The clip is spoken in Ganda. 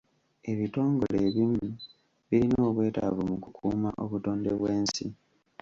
Ebitongole ebimu birina obwetaavu mu kukuuma obutonde bw'ensi.